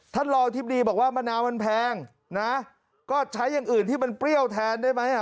ท่านรองอธิบดีบอกว่ามะนาวมันแพงนะก็ใช้อย่างอื่นที่มันเปรี้ยวแทนได้ไหมอ่ะ